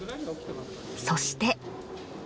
そして。